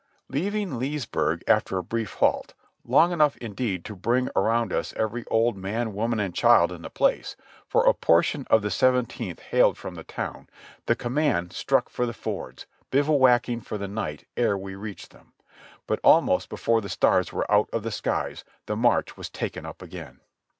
Leaving Leesburg after a brief halt, long enough indeed to bring around us every old man, woman and child in the place, for a portion of the Seventeenth hailed from the town, the command struck for the fords, bivouacking for the night ere w^e reached them ; but almost before the stars were out of the skies the march was taken up again.